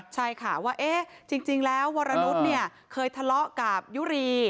ใช่ค่ะว่าจริงแล้ววรนุษย์เคยทะเลาะกับยุรี